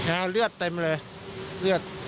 อ่าเลือดเต็มเลย